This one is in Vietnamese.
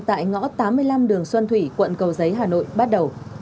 tại ngõ tám mươi năm đường xuân thủy quận cầu giấy hà nội bắt đầu